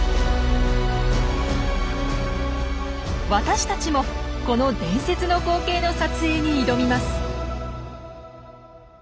私たちもこの伝説の光景の撮影に挑みます。